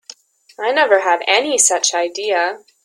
I never had any such idea.